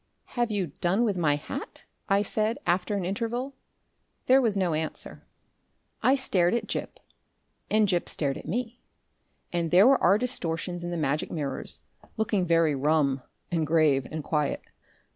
"Have you done with my hat?" I said, after an interval. There was no answer. I stared at Gip, and Gip stared at me, and there were our distortions in the magic mirrors, looking very rum, and grave, and quiet....